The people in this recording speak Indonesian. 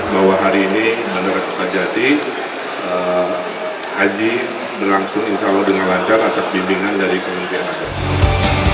bahwa hari ini bandara kertajati haji berlangsung insya allah dengan lancar atas bimbingan dari kementerian agama